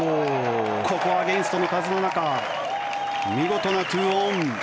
ここはアゲンストの風の中見事な２オン。